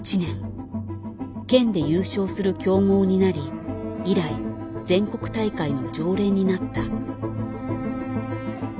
県で優勝する強豪になり以来全国大会の常連になった。